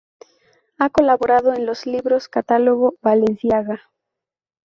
Ha colaborado en los libros-catálogo "Balenciaga.